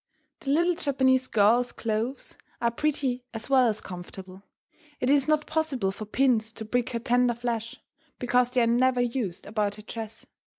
The little Japanese girl's clothes are pretty as well as comfortable. It is not possible for pins to prick her tender flesh, because they are never used about her dress.